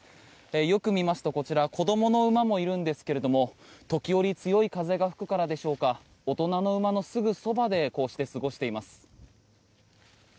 よく見ますとこちら子どもの馬もいるんですけれども時折強い風が吹くからでしょうか大人の馬のすぐそばでこうして過ごしています。